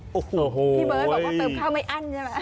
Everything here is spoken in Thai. พี่เบิ้ลบอกว่าเติบข้าวไม่อั้นใช่ไหม